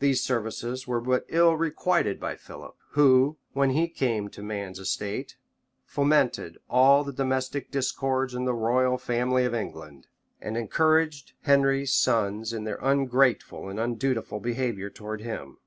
These services were but ill requited by Philip, who, when he came to man's estate, fomented all the domestic discords in the royal family of England, and encouraged Henry's sons in their ungrateful and undutiful behavior towards him.